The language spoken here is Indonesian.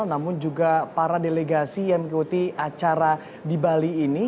namun juga para delegasi yang mengikuti acara di bali ini